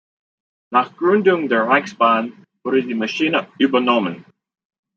Nach Gründung der Reichsbahn wurde die Maschine übernommen.